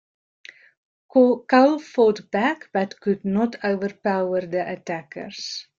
Cole fought back but could not overpower the attackers.